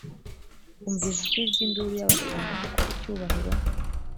umva ijwi ry induru y abashumba kuko icyubahiro